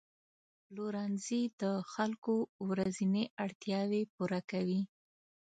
پلورنځي د خلکو ورځني اړتیاوې پوره کوي.